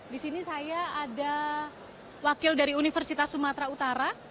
disini saya ada wakil dari universitas sumatra utara